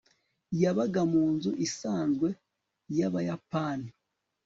yabaga mu nzu isanzwe y'abayapani